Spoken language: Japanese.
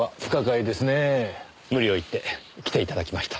無理を言って来ていただきました。